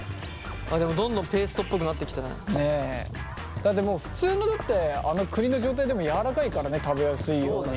だってもう普通の栗の状態でもやわらかいからね食べやすいように。